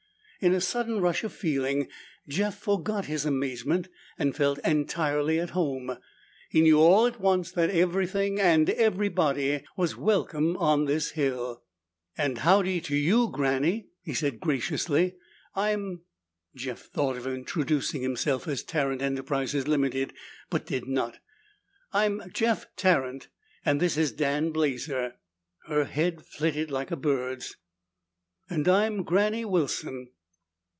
In a sudden rush of feeling, Jeff forgot his amazement and felt entirely at home. He knew all at once that everything and everybody was welcome on this hill. "And howdy to you, Granny!" he said graciously. "I'm " Jeff thought of introducing himself as Tarrant Enterprises, Ltd., but did not. "I'm Jeff Tarrant and this is Dan Blazer." Her head flitted like a bird's. "And I'm Granny Wilson."